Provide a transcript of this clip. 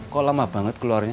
kok lama banget keluarnya